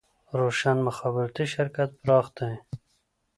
روشن مخابراتي شرکت پراخ دی